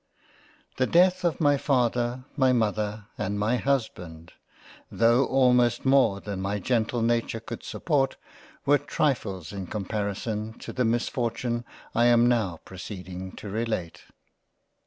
The Death of my Father my Mother, and my Husband though almost more than my gentle Nature could support, were trifles in comparison to the misfortune I am now proceeding to relate.